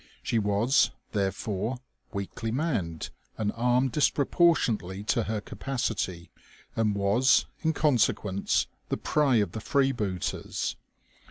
She was, therefore, weakly manned and armed disproportionately to her capacity, and was, in consequence, the prey of the freebooters.